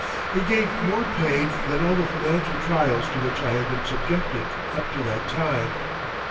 It gave more pain than all the financial trials to which I had been subjected up to that time.